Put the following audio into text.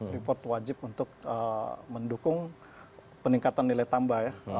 report wajib untuk mendukung peningkatan nilai tambah ya